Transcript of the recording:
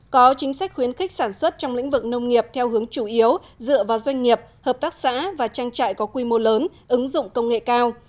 có chính sách khuyến khích sản xuất trong lĩnh vực nông nghiệp theo hướng chủ yếu dựa vào doanh nghiệp hợp tác xã và trang trại có quy mô lớn ứng dụng công nghệ cao